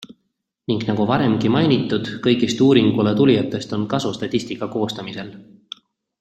Ning nagu varemgi mainitud, kõigist uuringule tulijatest on kasu statistika koostamisel.